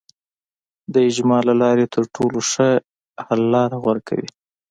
د اجماع له لارې تر ټولو ښه حل لاره غوره کوي.